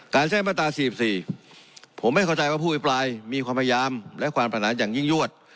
การแช่งมาตราสี่สี่สี่ผมไม่เข้าใจว่าผู้วิปรายมีความพยายามและความประหนักอย่างยิ่งยวด